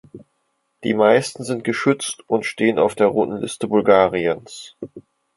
Die meisten sind geschützt und stehen auf der Roten Liste Bulgariens.